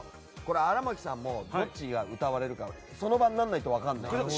荒牧さんも、どっちが歌われるかその場にならないと分からないんだね。